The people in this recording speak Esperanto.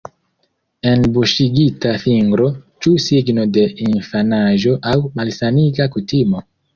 Enbuŝigita fingro – ĉu signo de infanaĝo aŭ malsaniga kutimo?